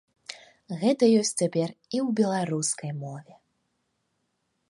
Гэта ёсць цяпер і ў беларускай мове.